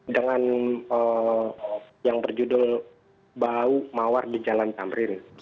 dengan yang berjudul bau mawar di jalan tamrin